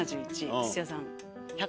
土屋さん。